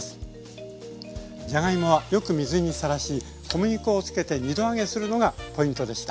じゃがいもはよく水にさらし小麦粉をつけて２度揚げするのがポイントでした。